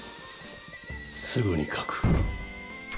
すぐに書く。